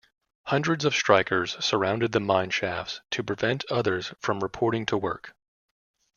Hundreds of strikers surrounded the mine shafts to prevent others from reporting to work.